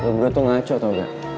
lo bener tuh ngaco tau gak